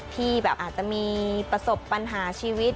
ที่แบบอาจจะมีประสบปัญหาชีวิต